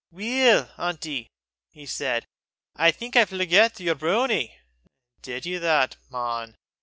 "Weel, auntie," he said, "I think I fleggit yer broonie!" "Did ye that, man?